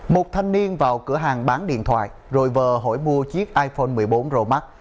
một thanh niên vào cửa hàng bán điện thoại rồi vờ hỏi mua chiếc iphone một mươi bốn romac